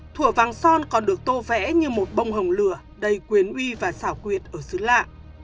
thủa vàng son còn được tô vẽ như một bông hồng lửa đầy quyền uy và xảo quyệt ở xứ lạ